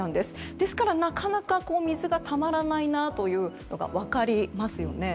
ですから、なかなか水がたまらないなというのが分かりますよね。